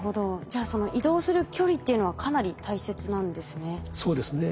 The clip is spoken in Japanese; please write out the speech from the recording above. じゃあその移動する距離っていうのはかなり大切なんですね。